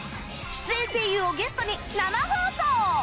出演声優をゲストに生放送！